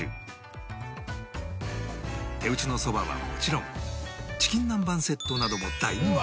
手打ちのそばはもちろんチキン南蛮セットなども大人気で